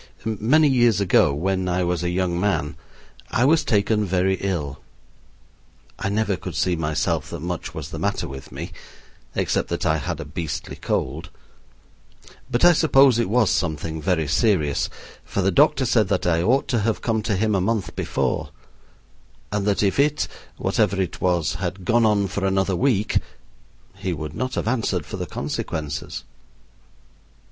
Many years ago, when I was a young man, I was taken very ill I never could see myself that much was the matter with me, except that I had a beastly cold. But I suppose it was something very serious, for the doctor said that I ought to have come to him a month before, and that if it (whatever it was) had gone on for another week he would not have answered for the consequences.